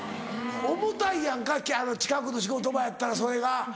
重たいやんか近くの仕事場やったらそれが。